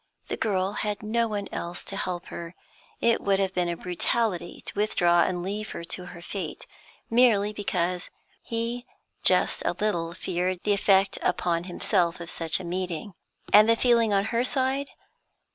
The girl had no one else to help her; it would have been brutality to withdraw and leave her to her fate, merely because he just a little feared the effect upon himself of such a meeting. And the feeling on her side?